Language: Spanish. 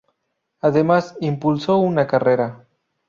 Además impulsó una carrera.